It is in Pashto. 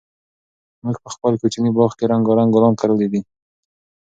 موږ په خپل کوچني باغ کې رنګارنګ ګلان کرلي دي.